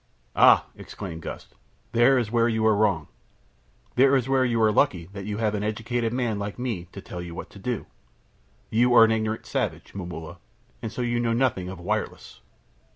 "Ah!" exclaimed Gust, "there is where you are wrong. There is where you are lucky that you have an educated man like me to tell you what to do. You are an ignorant savage, Momulla, and so you know nothing of wireless."